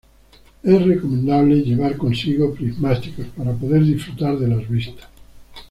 Es recomendable llevar consigo prismáticos para poder disfrutar de las vistas.